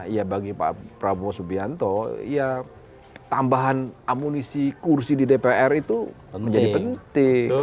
ya bagi pak prabowo subianto ya tambahan amunisi kursi di dpr itu menjadi penting